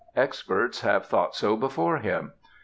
Experts have thought so before him.